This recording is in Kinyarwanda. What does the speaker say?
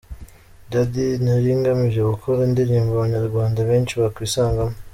Daddy: Nari ngamije gukora indirimbo Abanyarwanda benshi bakwisangamo.